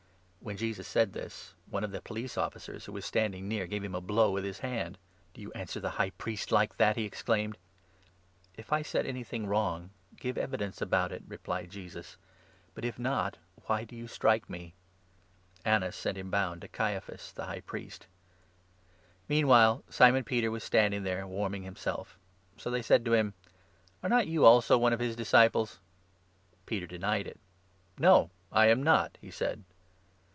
When Jesus said this, one of the police officers, who was 22 standing near, gave him a blow with his hand. " Do you answer the High Priest like that? " he exclaimed. " If I said anything wrong, give evidence about it," replied 23 Jesus ;" but if not, why do you strike me ?" Annas sent him bound to Caiaphas the High Priest. 24 Meanwhile Simon Peter was standing there, warming him 25 self ; so they said to him : "Are not you also one of his disciples?" Peter denied it. " No, I am not," he said.